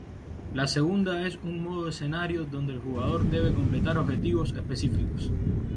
La segunda es un modo escenario, donde el jugador debe completar objetivos específicos.